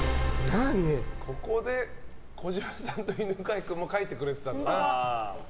ここで児嶋さんと犬飼君も書いてくれてたんだ。